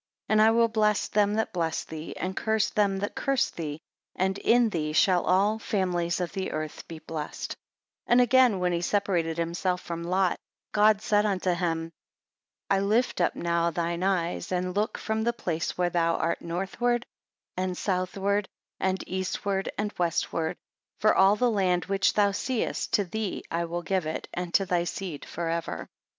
And I will bless them that bless thee, and curse them that curse thee; and in thee shall all families of the earth be blessed," 8 And again when he separated himself from Lot, God said unto him; I Lift up now thine eyes, and look from the place where thou art northward, and southward, and eastward, and westward, for all the land which thou seest, to thee will I give it, and to thy seed for ever.